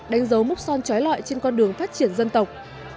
toàn trói lọi trên con đường phát triển dân tộc